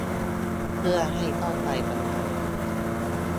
เพื่อให้เข้าใจปัญหา